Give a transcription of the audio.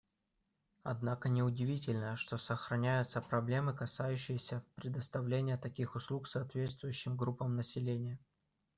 Однако не удивительно, что сохраняются проблемы, касающиеся предоставления таких услуг соответствующим группам населения.